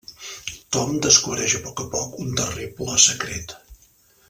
Tom descobreix a poc a poc un terrible secret.